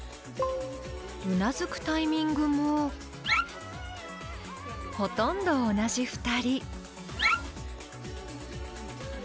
うなずくタイミングもほとんど同じ２人。